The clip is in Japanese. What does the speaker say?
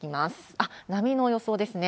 あっ、波の予想ですね。